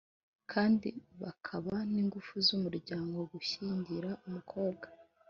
Kandi bakaba n ingufu z umuryango gushyingira umukobwa